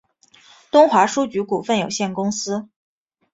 东华书局股份有限公司